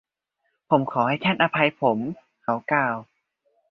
“ผมขอให้ท่านอภัยผม” เขากล่าว